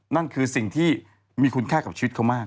นั่นคือสิ่งที่มีคุณค่ากับชีวิตเขามาก